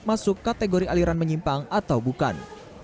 masuk kategori aliran menyimpang atau bukan